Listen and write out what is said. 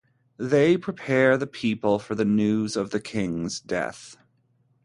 They prepare the people for the news of the king's death.